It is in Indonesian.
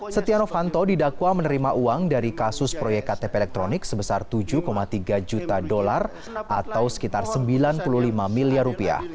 setia novanto didakwa menerima uang dari kasus proyek ktp elektronik sebesar tujuh tiga juta dolar atau sekitar sembilan puluh lima miliar rupiah